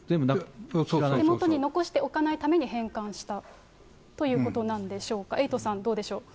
手元に残しておかないようにして、返還したということなんでしょうか、エイトさん、どうでしょう。